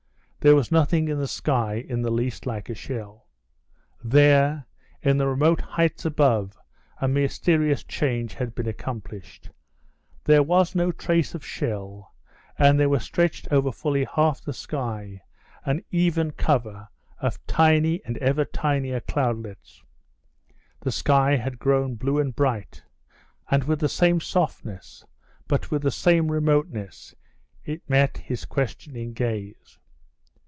There was nothing in the sky in the least like a shell. There, in the remote heights above, a mysterious change had been accomplished. There was no trace of shell, and there was stretched over fully half the sky an even cover of tiny and ever tinier cloudlets. The sky had grown blue and bright; and with the same softness, but with the same remoteness, it met his questioning gaze.